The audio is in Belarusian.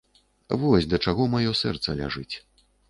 Вось да чаго маё сэрца ляжыць.